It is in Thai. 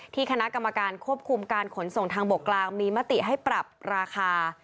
คณะกรรมการควบคุมการขนส่งทางบกกลางมีมติให้ปรับราคา